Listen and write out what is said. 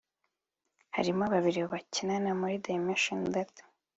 harimo babiri bakinana muri Dimension Data